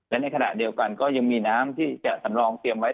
และในขณะเดียวกันก็ยังมีน้ำที่จะสำรองเตรียมไว้